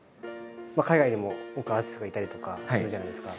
海外にも多くアーティストがいたりとかするじゃないですか。